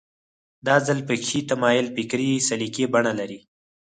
دا ځل فقهي تمایل فکري سلیقې بڼه لري